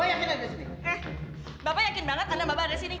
eh bapak yakin banget anak bapak ada disini